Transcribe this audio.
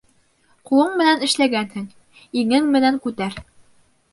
Ҡулың менән эшләгәнһең, иңең менән күтәр.